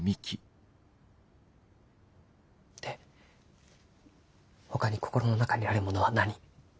でほかに心の中にあるものは何？